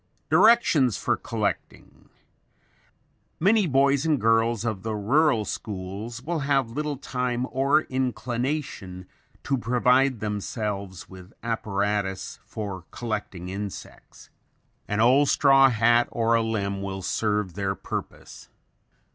Directions for Collecting Many boys and girls of the rural schools will have little time or inclination to provide themselves with apparatus for collecting insects. An old straw hat or a limb will serve their purpose.